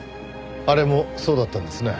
あれもそうだったんですね。